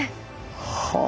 はあ。